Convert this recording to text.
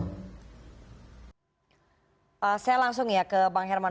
saya langsung ya ke bang herman